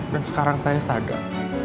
dan sekarang saya sadar